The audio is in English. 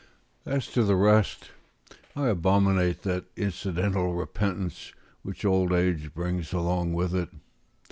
As to the rest, I abominate that incidental repentance which old age brings along with it.